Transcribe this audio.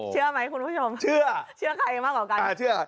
เชื่อไหมคุณผู้ชมเชื่อเชื่อใครมากกว่ากันอ่าเชื่อ